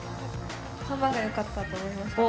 ３番がよかったと思いました。